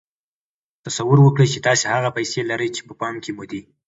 تصور وکړئ چې تاسې هغه پيسې لرئ چې په پام کې مو دي.